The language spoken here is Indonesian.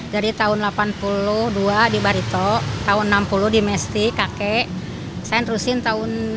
dari tahun delapan puluh dua di barito tahun enam puluh di mesti kakek saya terusin tahun delapan puluh dua